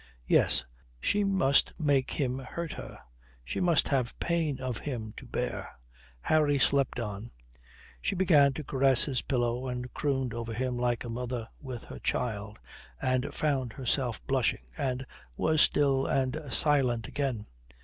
Yes. She must make him hurt her. She must have pain of him to bear.... Harry slept on. She began to caress his pillow, and crooned over him like a mother with her child, and found herself blushing and was still and silent again.